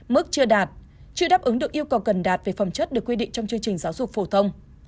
mức chưa đạt chưa đáp ứng được yêu cầu cần đạt về phẩm chất được quy định trong chương trình giáo dục phổ thông